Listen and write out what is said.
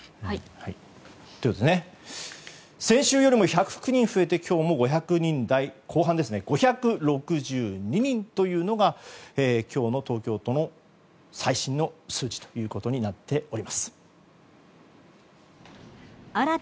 先週よりも１０９人増えて今日も５００人台後半で５６２人というのが、今日の東京都の最新の数値となりました。